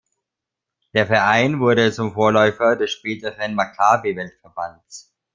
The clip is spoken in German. Der Verein wurde zum Vorläufer des späteren Makkabi Weltverbands.